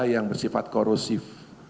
yang bersifat korosif